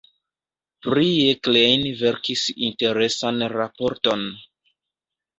Prie Klein verkis interesan raporton.